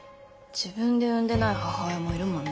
自分で産んでない母親もいるもんね。